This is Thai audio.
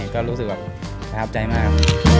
ก็รู้สึกแบบประทับใจมาก